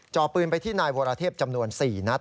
จอปืนไปที่นายวรเทพจำนวน๔นัด